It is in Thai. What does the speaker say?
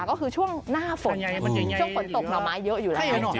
ก็คือช่วงหน้าฝนช่วงฝนตกหน่อไม้เยอะอยู่แล้ว